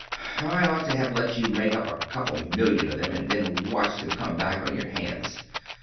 I ought to have let you make up a couple of million of them, and then watch them come back on your hands.